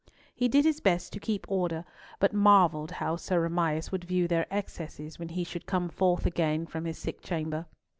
He did his best to keep order, but marvelled how Sir Amias would view their excesses when he should come forth again from his sick chamber.